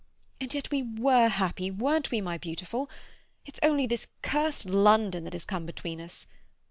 And yet we were happy, weren't we, my beautiful? It's only this cursed London that has come between us.